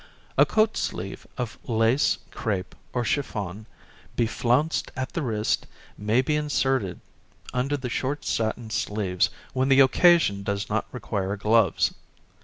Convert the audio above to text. A coat sleeve of lace, cr├¬pe, or chiffon, beflounced at the wrist, may be inserted under the short satin sleeves when the occasion does not require gloves.